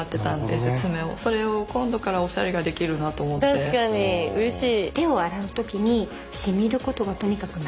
確かにうれしい。